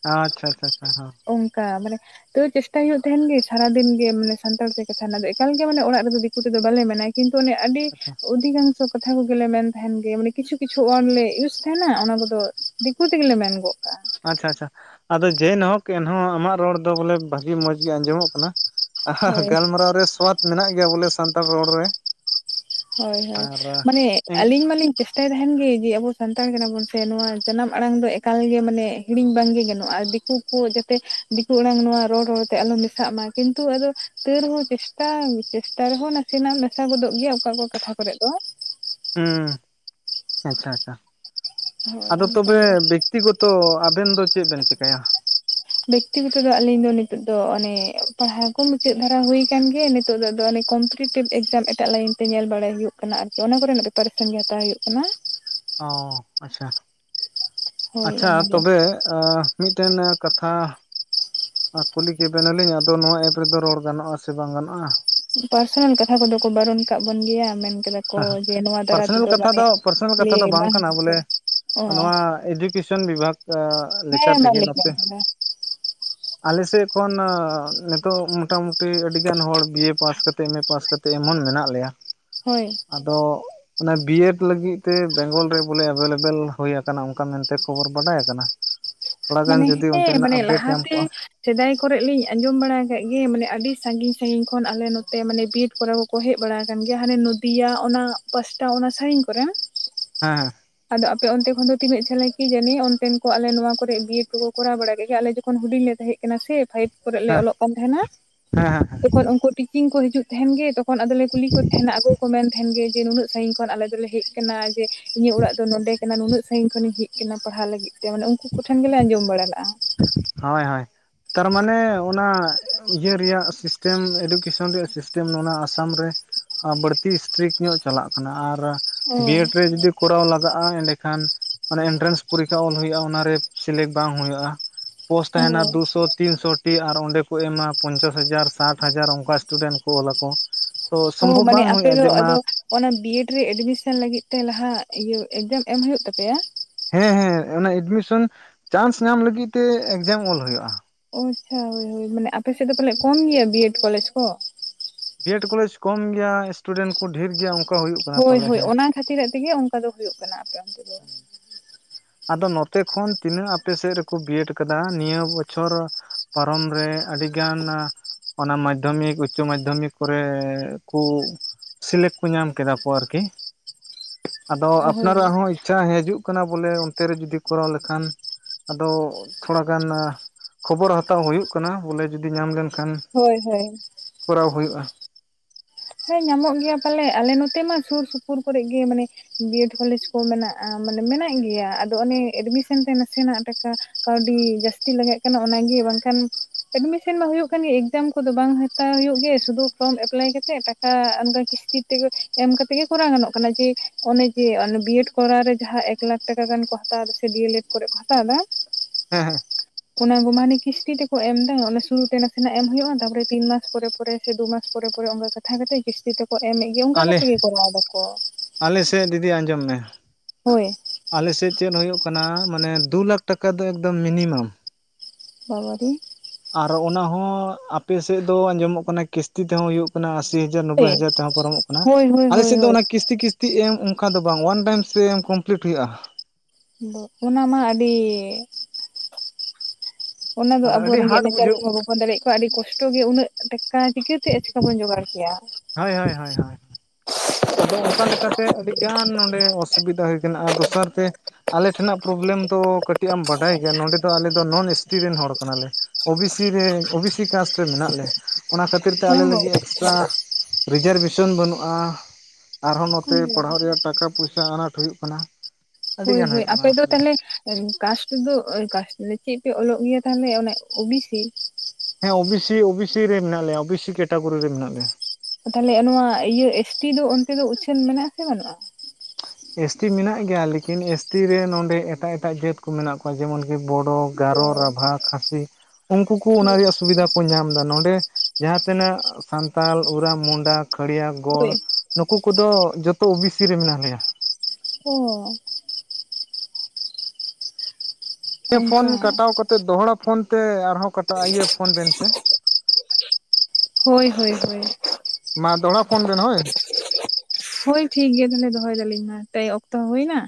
ᱚ ᱟᱪᱷᱟ ᱟᱪᱷᱟ ᱦᱚᱸ ᱚᱱᱠᱟ ᱢᱟᱱᱮ ᱛᱚ ᱪᱮᱥᱴᱟᱭ ᱦᱩᱭᱩᱜ ᱛ ᱛᱟᱦᱮᱱᱜ ᱜᱮ ᱥᱟᱨᱟ ᱫᱤᱱ ᱜᱮ ᱢᱟᱱᱮ ᱥᱟᱱᱛᱟᱲ ᱠᱟᱛᱷᱟ ᱮᱠᱟᱞ ᱜᱮ ᱢᱟᱱᱮ ᱚᱲᱟᱜ ᱨᱮᱫᱚ ᱫᱤᱠᱩ ᱛᱮᱫᱚ ᱵᱟᱞᱮ ᱢᱮ ᱠᱤᱱᱛᱩ ᱚᱱᱮ ᱟᱹᱰᱤ ᱟᱪᱪᱷᱟ ᱩᱫ ᱟᱹᱰᱤ ᱚᱝᱥᱚ ᱠᱟᱛᱷᱟ ᱠᱚᱜᱮᱞᱮ ᱢᱮᱱ ᱛᱟᱦᱮᱱ ᱜᱮ ᱢᱟᱱᱮ ᱠᱤᱪᱷᱩ ᱠᱤᱪᱷᱩ ᱳᱭᱟᱰ ᱞᱮ ᱤᱭᱩᱥ ᱛᱟᱦᱮᱱ ᱟ ᱚᱱᱟ ᱠᱚᱫᱚ ᱾ ᱫᱤᱠᱩ ᱛᱮᱜᱮ ᱞᱮ ᱢᱮᱱ ᱜᱚᱜ ᱠᱟᱜᱼᱟ ᱾ ᱟᱪᱪᱷᱟ ᱟᱪᱪᱷᱟ ᱟᱫᱚ ᱡᱮᱱᱠ ᱮᱱᱦᱚᱸ ᱟᱢᱟᱜ ᱨᱚᱲ ᱫᱚ ᱵᱚᱞᱮ ᱵᱷᱟᱜᱤ ᱢᱚᱸᱡᱽ ᱜᱮ ᱟᱸᱡᱚᱢᱚᱜ ᱠᱟᱱᱟ ᱾ ᱟᱸᱦᱟᱦᱟ ᱦᱳᱭ ᱜᱟᱞᱢᱟᱨᱟᱣ ᱨᱮ ᱥᱚᱣᱟᱫ ᱢᱮᱱᱟᱜ ᱜᱮᱭᱟ ᱵᱚᱞᱮ ᱥᱟᱱᱛᱟᱲ ᱨᱚᱲ ᱨᱮ ᱾ ᱦᱳᱭ ᱦᱳᱭ ᱢᱟᱱᱮ ᱟᱹᱞᱤᱧ ᱢᱟᱞᱤᱧ ᱪᱮᱥ ᱛᱟᱭ ᱛᱟᱦᱮᱱ ᱜᱮ ᱡᱮ ᱟᱵᱚ ᱥᱟᱱᱛᱟᱲ ᱠᱟᱱᱟᱵᱚᱱ ᱥᱮ ᱱᱚᱣᱟ ᱡᱟᱱᱟᱢ ᱟᱲᱟᱝ ᱫᱚ ᱮᱠᱟᱞ ᱜᱮ ᱢᱟᱱᱮ ᱦᱤᱲᱤᱧ ᱵᱟᱝᱜᱮ ᱜᱟᱱᱚᱜᱼᱟ ᱫᱤᱠᱩ ᱦᱩᱸ ᱡᱟᱛᱮ ᱫᱤᱠᱩ ᱟᱲᱟᱝ ᱱᱚᱣᱟ ᱨᱚᱲ ᱨᱚᱲ ᱛᱮ ᱟᱞᱚ ᱢᱮᱥᱟᱜ ᱢᱟ ᱠᱤᱱᱛᱩ ᱟᱫᱚ ᱛᱟᱹᱨ ᱨᱮ ᱦᱚᱸ ᱪᱮᱥ ᱴᱟᱝ ᱪᱮᱥᱴᱟ ᱨᱮᱦᱚᱸ ᱱᱟᱥᱮᱱᱟᱜ ᱮᱢ ᱱᱟᱥᱟ ᱜᱚᱫᱚᱜ ᱜᱮᱭᱟ ᱚᱠᱟ ᱚᱠᱟ ᱠᱟᱛᱷᱟ ᱠᱚᱨᱮ ᱫᱚ ᱦᱩᱸ ᱟᱪᱪᱷᱟ ᱟᱪᱪᱷᱟ ᱦᱳᱭ ᱟᱫᱚ ᱛᱚᱵᱮ ᱚᱱᱠᱟᱜᱮ ᱵᱮᱠᱛᱤᱜᱚᱛᱚ ᱟᱵᱮᱱ ᱫᱚ ᱪᱮᱫ ᱵᱮᱱ ᱪᱤᱠᱟᱹᱭᱟ ᱵᱮᱠᱛᱤᱜᱚᱛᱚ ᱫᱚ ᱟᱞᱤᱧ ᱫᱚ ᱱᱤᱛᱚᱜ ᱫᱚ ᱚᱱᱮ ᱯᱟᱲᱦᱟᱣ ᱠᱚ ᱢᱩᱪᱟᱹᱫ ᱫᱷᱟᱨᱟ ᱦᱩᱭᱩ ᱟᱠᱟᱱ ᱜᱮᱭᱟ ᱱᱤᱛᱚᱜ ᱫᱚ ᱚᱱᱮ ᱠᱚᱢ ᱯᱤᱴᱤᱰᱮᱰ ᱮᱠᱡᱟᱢ ᱮᱴᱟᱜ ᱞᱟᱭᱤᱱ ᱛᱮ ᱧᱮᱞ ᱵᱟᱲᱟᱭ ᱦᱩᱭᱩᱜ ᱠᱟᱱᱟ ᱟᱨᱠᱤ ᱚᱱᱟ ᱠᱚᱨᱮᱱᱟᱜ ᱯᱮᱯᱟᱨᱥᱮᱱ ᱜᱮ ᱦᱟᱛᱟᱣ ᱦᱩᱭᱩᱜ ᱠᱟᱱᱟ ᱾ ᱚ ᱟᱪᱪᱷᱟ ᱾ ᱦᱳᱭ ᱟᱪᱪᱷᱟ ᱚᱱᱟᱜᱮ ᱛᱚᱵᱮ ᱢᱤᱫᱴᱮᱱ ᱠᱟᱛᱷᱟ ᱠᱩᱞᱤ ᱠᱮᱵᱮᱱᱟᱞᱤᱧ ᱟᱫᱚ ᱱᱚᱣᱟ ᱮᱯ ᱨᱮᱫᱚ ᱨᱚᱲ ᱜᱟᱱᱚᱜᱼᱟ ᱥᱮ ᱵᱟᱝ ᱜᱟᱱᱚᱜᱼᱟ ᱯᱟᱨᱥᱚᱱᱟᱞ ᱠᱟᱛᱷᱟ ᱠᱚᱫᱚ ᱠᱚ ᱵᱟᱨᱚᱱ ᱠᱟᱜ ᱵᱚᱱ ᱜᱮᱭᱟ ᱢᱮᱱ ᱠᱮᱭᱟ ᱯᱟᱨᱥᱚᱱᱟᱞ ᱠᱟᱛᱷᱟ ᱫᱚ ᱯᱟᱨᱥᱚᱱᱟᱞ ᱠᱟᱛᱷᱟ ᱫᱚ ᱵᱟᱝ ᱠᱟᱱᱟ ᱵᱚᱞᱮ ᱚ ᱱᱚᱣᱟ ᱤᱰᱤ ᱠᱮᱥᱮᱱ ᱵᱤᱵᱷᱟᱠ ᱛᱮ ᱦᱮᱸ ᱢᱟ ᱞᱟᱭ ᱵᱮᱱ ᱟᱞᱮᱥᱮᱫ ᱠᱷᱚᱱ ᱱᱤᱛᱚᱜ ᱢᱚᱴᱟᱢᱩᱴᱤ ᱟᱹᱰᱤᱜᱟᱱ ᱦᱚᱲ ᱵᱤᱭᱮ ᱯᱟᱥ ᱠᱟᱛᱮᱫ ᱢᱮ ᱯᱟᱥ ᱠᱟᱛᱮ ᱮᱢᱚᱱ ᱢᱮᱱᱟᱜ ᱞᱮᱭᱟ ᱾ ᱦᱳᱭ ᱟᱫᱚ ᱚᱱᱮ ᱵᱤᱨ ᱞᱟᱹᱜᱤᱫ ᱛᱮ ᱵᱮᱝᱜᱚᱞ ᱨᱮ ᱵᱚᱞᱮ ᱮᱵᱮᱞᱮᱵᱮᱞ ᱦᱩᱭ ᱟᱠᱟᱱᱟ ᱚᱱᱠᱟ ᱢᱮᱱᱛᱮ ᱠᱷᱚᱵᱚᱨ ᱵᱟᱰᱟᱭ ᱟᱠᱟᱱᱟ ᱛᱷᱚᱲᱟ ᱜᱟᱱ ᱢᱟᱱᱮ ᱡᱩᱫᱤ ᱦᱮᱸ ᱚᱱᱛᱮᱱᱟᱜ ᱢᱟᱱᱮ ᱟᱯᱰᱮᱴ ᱧᱟᱢ ᱞᱟᱦᱟᱛᱮ ᱠᱚᱜᱼᱟ ᱥᱮᱫᱟᱭ ᱠᱚᱨᱮ ᱞᱤᱧ ᱟᱸᱡᱚᱢ ᱵᱟᱲᱟ ᱠᱟᱜ ᱜᱮ ᱢᱟᱱᱮ ᱟᱹᱰᱤ ᱥᱟᱺᱜᱤᱧ ᱥᱟᱺᱜᱤᱧ ᱠᱷᱚᱱ ᱟᱞᱮ ᱱᱚᱛᱮ ᱢᱟᱱᱮ ᱵᱤᱰ ᱠᱚᱨᱟᱣ ᱠᱚ ᱦᱮᱡ ᱵᱟᱲᱟ ᱟᱠᱟᱱ ᱜᱮᱭᱟ ᱦᱟᱱᱮ ᱱᱚᱫᱤᱭᱟ ᱚᱱᱟ ᱯᱟᱥᱴᱟ ᱚᱱᱟ ᱥᱟᱭᱤᱱ ᱠᱚᱨᱟ ᱟᱸᱻ ᱟᱫᱚ ᱟᱯᱮ ᱚᱱᱛᱮ ᱠᱷᱚᱱ ᱫᱚ ᱛᱤᱱᱟᱹᱜ ᱡᱷᱟᱹᱞᱟ ᱠᱤ ᱡᱟᱹᱱᱤ ᱚᱱᱛᱮᱱ ᱠᱚ ᱟᱞᱮ ᱱᱚᱣᱟ ᱠᱚᱨᱮ ᱜᱤ ᱠᱩᱠᱩ ᱠᱚᱨᱟᱣ ᱵᱟᱲᱟ ᱠᱮᱫ ᱜᱮᱭᱟ ᱟᱞᱮ ᱡᱚᱠᱷᱚᱱ ᱦᱩᱰᱤᱧ ᱞᱮ ᱛᱟᱦᱮᱸᱡ ᱠᱟᱱᱟ ᱥᱮ ᱯᱷᱟᱭᱤᱵ ᱠᱚᱨᱮ ᱞᱮ ᱦᱮᱸ ᱚᱞᱚᱜ ᱠᱟᱱ ᱛᱟᱦᱮᱱᱟ ᱦᱮᱸ ᱛᱚᱠᱷᱚᱱ ᱩᱱᱠᱩ ᱴᱤᱯᱤᱝ ᱠᱚ ᱦᱤᱡᱩᱜ ᱛᱟᱦᱮᱱ ᱜᱮ ᱛᱚ ᱠᱷᱚᱱ ᱟᱫᱚᱞᱮ ᱠᱩᱞᱤ ᱠᱚ ᱛᱟᱦᱮᱱᱟ ᱟᱠᱚᱜᱮ ᱠᱚ ᱢᱮᱱ ᱛᱟᱦᱮᱸᱱ ᱜᱮ ᱡᱮ ᱱᱩᱱᱟᱹᱜ ᱥᱟᱺᱜᱤᱧ ᱠᱷᱚᱱ ᱟᱞᱮ ᱫᱚᱞᱮ ᱦᱮᱡ ᱠᱟᱱᱟ ᱡᱮ ᱤᱟᱹᱜ ᱚᱲᱟᱜ ᱫᱚ ᱱᱚᱰᱮ ᱠᱟᱟᱱ ᱱᱩᱱᱟᱹᱜ ᱥᱟᱺᱜᱤᱧ ᱠᱷᱚᱱᱤᱧ ᱦᱮᱡ ᱠᱟᱱᱟ ᱯᱟᱲᱦᱟᱣ ᱞᱟᱹᱜᱤᱫ ᱛᱮ ᱢᱟᱱᱮ ᱩᱱᱠᱩ ᱠᱚᱴᱷᱮᱱ ᱜᱮᱞᱮ ᱟᱸᱡᱚᱢ ᱵᱟᱲᱟ ᱞᱟᱜᱼᱟ ᱦᱳᱭ ᱦᱳᱭ ᱛᱟᱨᱢᱟᱱᱮ ᱚᱱᱟ ᱭᱟᱦᱟᱹᱨ ᱧᱚᱜ ᱥᱤᱥᱴᱮᱢ ᱮᱰᱩᱠᱮᱥᱚᱱ ᱨᱮᱭᱟᱜ ᱥᱤᱥᱴᱮᱢ ᱚᱱᱟ ᱟᱥᱟᱢ ᱨᱮ ᱟ ᱵᱟᱹᱲᱛᱤ ᱥᱴᱨᱤᱠ ᱧᱚᱜ ᱪᱟᱞᱟᱜ ᱠᱟᱱᱟ ᱟᱨ ᱚ ᱵᱤᱭᱮᱰ ᱨᱮ ᱡᱩᱫᱤ ᱠᱚᱨᱟᱣ ᱞᱟᱜᱟᱜᱼᱟ ᱮᱸᱰᱮᱠᱷᱟᱱ ᱢᱟᱱᱮ ᱮᱱᱴᱨᱟᱱᱥ ᱯᱩᱨᱤᱠᱠᱷᱟ ᱚᱞ ᱦᱩᱭᱩᱜᱼᱟ ᱚᱱᱟᱨᱮ ᱥᱤᱞᱮᱠᱴ ᱵᱟᱝ ᱦᱩᱭᱩᱜᱼᱟ ᱯᱳᱥ ᱚ ᱛᱟᱦᱮᱱᱟ ᱫᱩᱥᱚ ᱛᱤᱱ ᱥᱚ ᱴᱤ ᱟᱨ ᱚᱸᱰᱮ ᱠᱚ ᱮᱢᱟ ᱯᱚᱧᱪᱟᱥ ᱦᱟᱡᱟᱨ ᱥᱟᱴ ᱦᱟᱡᱟᱨ ᱚᱱᱠᱟ ᱥᱴᱩᱰᱮᱱᱴ ᱠᱚ ᱚᱞ ᱟᱠᱚ᱾ ᱛᱚ ᱚ ᱥᱚᱢᱵᱷᱚᱵ ᱢᱟᱱᱮ ᱵᱟᱝ ᱟᱯᱮ ᱦᱩᱭᱩᱜᱼᱟ ᱫᱚ ᱡᱮ ᱚᱱᱟ ᱟᱫᱚ ᱚᱱᱟ ᱵᱤᱭᱮᱰ ᱨᱮ ᱮᱰᱢᱤᱥᱚᱱ ᱞᱟᱹᱜᱤᱫ ᱛᱮ ᱞᱟᱦᱟ ᱤᱭᱟᱹ ᱮᱠᱡᱟᱢ ᱮᱢ ᱦᱳᱭᱳᱜ ᱛᱟᱯᱮᱭᱟ? ᱦᱮᱸ ᱦᱮᱸ ᱚᱱᱟ ᱮᱰᱢᱤᱥᱚᱱ ᱪᱟᱱᱥ ᱧᱟᱢ ᱞᱟᱹᱜᱤᱫ ᱛᱮ ᱮᱠᱡᱟᱢ ᱚᱞ ᱦᱩᱭᱩᱜᱼᱟ᱾ ᱳ ᱟᱪᱪᱷᱟ ᱦᱳᱭ ᱦᱳᱭ ᱢᱟᱱᱮ ᱟᱯᱮᱥᱮᱫ ᱫᱚ ᱯᱟᱞᱮᱫ ᱠᱚᱢ ᱜᱮᱭᱟ ᱵᱤᱭᱮᱰ ᱠᱚᱞᱮᱡᱽ ᱠᱚ᱾ ᱵᱤᱭᱮᱰ ᱠᱚᱞᱮᱡᱽ ᱠᱚᱢ ᱜᱮᱭᱟ, ᱤᱥᱴᱩᱰᱮᱱᱴ ᱠᱚ ᱰᱷᱮᱨ ᱜᱮᱭᱟ᱾ ᱚᱱᱠᱟ ᱦᱩᱭᱩᱜ ᱠᱟᱱᱟ ᱦᱳᱭ ᱯᱟᱞᱮ ᱦᱳᱭ ᱦᱮᱸ ᱚᱱᱟ ᱠᱷᱟᱹᱛᱤᱨᱟᱜ ᱛᱮᱜᱮ ᱚᱱᱠᱟ ᱫᱚ ᱦᱩᱭᱩᱜ ᱠᱟᱱᱟ ᱟᱯᱮ ᱚᱱᱛᱮ ᱫᱚ [inaudible] ᱟᱫᱚ ᱱᱚᱛᱮ ᱠᱷᱚᱱ ᱛᱤᱱᱟᱹᱜ ᱟᱯᱮ ᱥᱮᱫ ᱨᱮᱠᱚ ᱵᱤᱭᱮᱰ ᱠᱟᱫᱟ ᱱᱤᱭᱟᱹ ᱵᱚᱪᱷᱚᱨ ᱯᱟᱨᱚᱢ ᱨᱮ ᱟᱹᱰᱤ ᱜᱟᱱ ᱚᱱᱟ ᱢᱟᱫᱽᱫᱷᱚᱢᱤᱠ ᱩᱪᱪᱚ ᱢᱟᱫᱽᱫᱷᱚᱢᱤᱠ ᱠᱚᱨᱮ ᱠᱩ ᱥᱤᱞᱮᱠᱴ ᱠᱚ ᱧᱟᱢ ᱠᱮᱫᱟ ᱠᱚ ᱟᱨᱠᱤ᱾ ᱟᱫᱚ ᱦᱳᱭ ᱟᱯᱱᱟᱨᱟᱜ ᱦᱚᱸ ᱤᱪᱪᱷᱟ ᱦᱮᱸᱡᱩᱜ ᱠᱟᱱᱟ, ᱵᱚᱞᱮ ᱚᱱᱛᱮ ᱨᱮ ᱡᱚᱫᱤ ᱠᱚᱨᱟᱣ ᱞᱮᱠᱷᱟᱱ ᱟᱫᱚ ᱛᱷᱚᱲᱟ ᱜᱟᱱ ᱠᱷᱚᱵᱚᱨ ᱦᱟᱛᱟᱣ ᱦᱩᱭᱩᱜ ᱠᱟᱱᱟ᱾ ᱵᱚᱞᱮ ᱡᱩᱫᱤ ᱧᱟᱢ ᱞᱮᱱᱠᱷᱟᱱ ᱦᱳᱭ ᱦᱳᱭ ᱠᱚᱨᱟᱣ ᱦᱩᱭᱩᱜᱼᱟ᱾ ᱦᱮᱸ ᱧᱟᱢᱚᱜ ᱜᱮᱭᱟ ᱯᱟᱞᱮ᱾ ᱟᱞᱮ ᱱᱚᱛᱮ ᱢᱟ ᱥᱩᱨ ᱥᱩᱯᱩᱨ ᱠᱚᱨᱮ ᱜᱮ ᱢᱟᱱᱮ ᱵᱤᱭᱮᱰ ᱠᱚᱞᱮᱡᱽ ᱠᱚ ᱢᱮᱱᱟᱜᱼᱟ᱾ ᱢᱟᱱᱮ ᱢᱮᱱᱟᱜ ᱜᱮᱭᱟ᱾ ᱟᱫᱚ ᱚᱱᱮ ᱮᱰᱢᱤᱥᱚᱱ ᱛᱮ ᱱᱟᱥᱮᱱᱟᱜ ᱴᱟᱠᱟ ᱠᱟᱹᱣᱰᱤ ᱡᱟᱹᱥᱛᱤ ᱞᱟᱜᱟᱜ ᱠᱟᱱᱟ᱾ ᱚᱱᱟ ᱜᱮ ᱵᱟᱝᱠᱷᱟᱱ ᱮᱰᱢᱤᱥᱮᱱ ᱢᱟ ᱦᱩᱭᱩᱜ ᱠᱟᱱ ᱜᱮ ᱮᱠᱡᱟᱢ ᱠᱚᱫᱚ ᱵᱟᱝ ᱦᱟᱛᱟᱣ ᱦᱩᱭᱩᱜ ᱜᱮ᱾ ᱥᱩᱫᱷᱩ ᱯᱷᱨᱚᱢ ᱮᱯᱞᱟᱭ ᱠᱟᱛᱮᱫ ᱴᱟᱠᱟ ᱠᱟ ᱚᱱᱠᱟ ᱠᱤᱥᱛᱤ ᱛᱮᱜᱮ ᱮᱢ ᱠᱟᱛᱮ ᱜᱮ ᱠᱚᱨᱟᱣ ᱜᱟᱱᱚᱜ ᱠᱟᱱᱟ ᱡᱮ ᱚᱱᱮ ᱡᱮ ᱚᱱᱮ ᱵᱤᱭᱮᱰ ᱠᱚᱨᱟᱣ ᱨᱮ ᱡᱟᱦᱟᱸ ᱮᱠ ᱞᱟᱠ ᱴᱮᱠᱟ ᱜᱟᱱ ᱠᱚ ᱦᱟᱛᱟᱣᱫ ᱥᱮ ᱰᱤᱭᱮᱹᱞᱮᱹᱰ ᱠᱚᱨᱮᱫ ᱠᱚ ᱦᱟᱛᱟᱣᱫᱟ᱾ ᱦᱮᱸ ᱦᱮᱸ [inaudible] ᱚᱱᱟ ᱜᱚ ᱢᱟᱱᱮ ᱠᱤᱥᱛᱤ ᱛᱮᱠᱚ ᱮᱢ ᱫᱟ ᱚᱱᱟ ᱥᱩᱨᱩ ᱛᱮ ᱱᱟᱥᱮᱱᱟᱜ ᱮᱢ ᱦᱩᱭᱩᱜᱼᱟ, ᱛᱟᱯᱚᱨᱮ ᱛᱤᱱ ᱢᱟᱥ ᱯᱚᱨᱮ ᱯᱚᱨᱮ ᱥᱮ ᱫᱩ ᱢᱟᱥ ᱯᱚᱨ ᱯᱚᱨᱮ ᱚᱱᱠᱟ ᱠᱟᱛᱮ ᱛᱟᱦᱮᱸ ᱠᱟᱛᱮᱜ ᱠᱤᱥᱛᱤ ᱛᱮᱠᱚ ᱮᱢᱮᱫ ᱜᱮ᱾ ᱚᱱᱠᱟ ᱟᱞᱮ ᱠᱟᱛᱮᱜ ᱜᱮ ᱠᱚᱨᱟᱣ ᱫᱟᱠᱚ ᱟᱞᱮ ᱥᱮᱫ ᱫᱤᱫᱤ ᱟᱸᱡᱚᱢ ᱢᱮ᱾ ᱦᱳᱭ ᱟᱞᱮᱥᱮᱫ ᱪᱮᱫ ᱦᱩᱭᱩᱜ ᱠᱟᱱᱟ᱾ ᱢᱟᱱᱮ ᱫᱩ ᱞᱟᱠᱷ ᱴᱟᱠᱟ ᱫᱚ ᱮᱠᱫᱚᱢ ᱢᱤᱱᱤᱢᱟᱢ ᱵᱟᱵᱟᱨᱮ᱾ ᱟᱨ ᱚᱱᱟ ᱦᱚᱸ ᱟᱯᱮ ᱥᱮᱫ ᱫᱚ ᱟᱸᱡᱚᱢᱚᱜ ᱠᱟᱱᱟ ᱠᱤᱥᱛᱤ ᱛᱮᱦᱚᱸ ᱦᱩᱭᱩᱜ ᱠᱟᱱᱟ ᱟᱥᱤ ᱦᱟᱡᱟᱨ ᱱᱚᱵᱽᱵᱳᱭ ᱦᱟᱡᱟᱨ ᱛᱮᱦᱚᱸ ᱯᱟᱨᱚᱢᱚᱜ ᱠᱟᱱᱟ᱾ ᱦᱳᱭ ᱦᱳᱭ ᱟᱞᱮ ᱦᱳᱭ ᱥᱮᱫ ᱫᱚ ᱦᱳᱭ ᱚᱱᱟ ᱠᱤ ᱠᱤᱥᱛᱤ ᱠᱤᱥᱛᱤ ᱮᱢ ᱚᱝᱠᱟ ᱫᱚ ᱵᱟᱝᱼᱟ᱾ᱚᱣᱟᱱ ᱴᱟᱭᱤᱢᱥ ᱛᱮ ᱮᱢ ᱠᱚᱢᱯᱞᱤᱴ ᱦᱩᱭᱩᱜᱼᱟ᱾ ᱚᱱᱟ ᱢᱟ ᱟᱰᱤ ᱚᱱᱟ ᱫᱚ ᱟᱫᱚ ᱟᱵᱚ ᱟᱹᱰᱤ ᱛᱮᱸᱜᱚᱡ ᱦᱟᱨᱰ ᱱᱟᱪᱟᱨ ᱵᱩᱡᱷᱟᱹᱜ ᱠᱚᱢᱟ ᱵᱟᱵᱚᱱ ᱫᱟᱲᱮᱜ ᱠᱚ ᱟᱹᱰᱤ ᱠᱚᱥᱴᱚ ᱜᱮ᱾ ᱩᱱᱟᱹᱜ ᱴᱟᱠᱟ ᱪᱤᱠᱟᱹᱛᱮ ᱟᱪᱠᱟ ᱵᱚᱱ ᱡᱚᱜᱟᱲ ᱠᱮᱭᱟ᱾ ᱦᱳᱭ ᱦᱳᱭ ᱦᱳᱭ ᱟᱫᱚ ᱚᱱᱠᱟ ᱞᱮᱠᱟ ᱛᱮ ᱟᱹᱰᱤᱜᱟᱱ ᱱᱚᱰᱮ ᱚᱥᱩᱵᱤᱫᱟ ᱦᱩᱭ ᱠᱟᱱᱟ ᱟᱨ ᱫᱚᱥᱟᱨ ᱛᱮ ᱟᱞᱮ ᱴᱷᱮᱱ-ᱟᱜ ᱯᱨᱚᱵᱞᱮᱢ ᱫᱚ ᱠᱟᱹᱴᱤᱡ ᱮᱢ ᱵᱟᱰᱟᱭ ᱜᱮᱭᱟ᱾ ᱱᱚᱰᱮ ᱫᱚ ᱟᱞᱮ ᱫᱚ ᱱᱚᱱ ᱮᱥ ᱴᱤ ᱨᱮᱱ ᱦᱚᱲ ᱠᱟᱱᱟᱞᱮ᱾ ᱳ ᱵᱤ ᱥᱤ ᱨᱮ ᱳ ᱵᱤ ᱥᱤ ᱠᱟᱥᱴ ᱨᱮ ᱢᱮᱱᱟᱜ ᱞᱮ᱾ ᱚᱱᱟ ᱠᱷᱟᱹᱛᱤᱨ ᱛᱮ ᱟᱞᱮ ᱞᱟᱹᱜᱤᱜ ᱮᱠᱥᱴᱨᱟ ᱨᱤᱡᱟᱨᱵᱷᱮᱥᱚᱱ ᱵᱟᱹᱱᱩᱜᱼᱟ, ᱟᱨᱦᱚᱸ ᱱᱚᱛᱮ ᱯᱟᱲᱦᱟᱣ ᱨᱮᱭᱟᱜ ᱴᱟᱠᱟ ᱯᱩᱭᱥᱟ ᱟᱱᱟᱴ ᱦᱩᱭᱩᱜ ᱠᱟᱱᱟ᱾ ᱟᱹᱰᱤ ᱦᱳᱭ ᱜᱟᱱ ᱦᱳᱭ ᱦᱩᱭᱩᱜ ᱟᱯᱮ ᱠᱟᱱᱟ ᱫᱚ ᱚᱥᱩᱵᱤᱫᱟ ᱛᱟᱞᱦᱮ ᱠᱟᱥᱴ ᱫᱚ ᱟᱹ ᱠᱟᱥᱴ ᱞᱮ ᱪᱮᱫ ᱯᱮ ᱚᱞᱚᱜ ᱜᱮᱭᱟ ᱛᱟᱦᱞᱮ ᱚᱱᱮ ᱳ ᱵᱤ ᱥᱤ? ᱦᱮᱸ O B C O B C ᱨᱮ ᱢᱮᱱᱟᱜ ᱞᱮᱭᱟ᱾ ᱳ ᱵᱤ ᱥᱤ ᱠᱮᱴᱟᱜᱚᱨᱤ ᱨᱮ ᱢᱮᱱᱟᱜ ᱞᱮᱭᱟ᱾ ᱛᱟᱞᱦᱮ ᱱᱚᱣᱟ ᱤᱭᱟᱹ ᱮᱥ ᱴᱤ ᱫᱚ ᱚᱱᱛᱮ ᱫᱚ ᱩᱪᱷᱟᱹᱱ ᱢᱮᱱᱟᱜ ᱟ ᱥᱮ ᱵᱟᱹᱱᱩᱜᱼᱟ? ᱮᱥ ᱴᱤ ᱢᱮᱱᱟᱜ ᱜᱮᱭᱟ᱾ ᱞᱮᱠᱤᱱ ᱮᱥ ᱴᱤ ᱨᱮ ᱱᱚᱸᱰᱮ ᱮᱴᱟᱜ ᱮᱴᱟᱜ ᱡᱟᱹᱛ ᱠᱚ ᱢᱮᱱᱟ ᱠᱚᱣᱟ ᱡᱮᱢᱚᱱ ᱠᱤ ᱵᱚᱰᱚ, ᱜᱟᱨᱚ, ᱚ ᱨᱟᱵᱷᱟ, ᱠᱷᱟᱹᱥᱤ ᱩᱱᱠᱩ ᱠᱚ ᱚᱱᱟ ᱦᱳᱭ ᱨᱮᱭᱟᱜ ᱥᱩᱵᱤᱫᱷᱟ ᱠᱚ ᱧᱟᱢ ᱮᱫᱟ᱾ ᱱᱚᱰᱮ ᱡᱟᱸᱦᱟ ᱛᱤᱱᱟᱹᱜ ᱥᱟᱱᱛᱟᱞ, ᱩᱨᱟᱢ, ᱢᱩᱱᱰᱟ ᱠᱷᱟᱹᱲᱭᱟ, ᱜᱚᱲ ᱦᱳᱭ ᱱᱩᱠᱩ ᱠᱚᱫᱚ ᱡᱚᱛᱚ ᱳ ᱵᱤ ᱥᱤ ᱨᱮ ᱢᱮᱱᱟᱜ ᱞᱮᱭᱟ᱾ ᱚ ᱱᱤᱭᱟᱹ ᱯᱷᱳᱱ ᱚᱱᱠᱟ ᱠᱟᱴᱟᱣ ᱠᱟᱛᱮᱫ ᱫᱚᱦᱲᱟ ᱯᱷᱳᱱ ᱛᱮ ᱟᱨᱦᱚᱸ ᱠᱟᱴᱟᱣ ᱤᱭᱟᱹ ᱯᱷᱳᱱ ᱵᱮᱱ ᱥᱮ ᱦᱳᱭ ᱦᱳᱭ ᱦᱳᱭ ᱢᱟ ᱫᱚᱦᱲᱟ ᱯᱷᱳᱱ ᱵᱮᱱ ᱦᱳᱭ ᱦᱳᱭ ᱴᱷᱤᱠ ᱜᱮᱭᱟ ᱛᱟᱞᱦᱮ ᱫᱚᱦᱚᱭ ᱮᱫᱟ ᱞᱤᱧ ᱢᱟ [unintelligible] ᱚᱠᱛᱚ ᱦᱩᱭ ᱮᱱᱟ ᱾